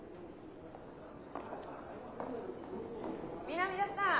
南田さん。